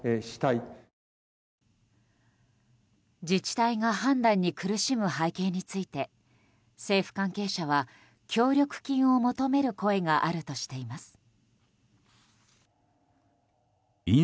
自治体が判断に苦しむ背景について政府関係者は協力金を求める声があるとしています。